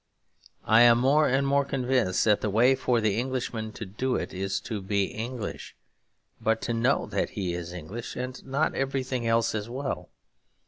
I am more and more convinced that the way for the Englishman to do it is to be English; but to know that he is English and not everything else as well.